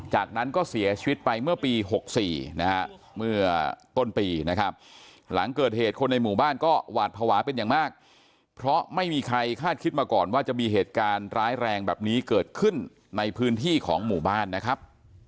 จากนั้นก็เสียชีวิตไปเมื่อปี๖๔นะฮะเมื่อต้นปีนะครับหลังเกิดเหตุคนในหมู่บ้านก็หวาดภาวะเป็นอย่างมากเพราะไม่มีใครคาดคิดมาก่อนว่าจะมีเหตุการณ์ร้ายแรงแบบนี้เกิดขึ้นในพื้นที่ของหมู่บ้านนะครับ